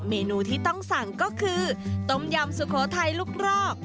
เมนูที่ต้องสั่งก็คือต้มยำสุโขทัยลูกรอก